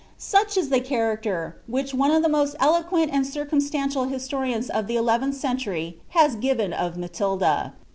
Soch is the character which one of the most eloquent and circum stuitial historians of the eleventh century has given of Matilda.